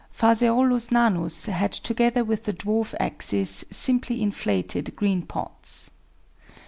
Ph. nanus had, together with the dwarf axis, simply inflated, green pods.